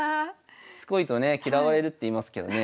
しつこいとね嫌われるっていいますけどね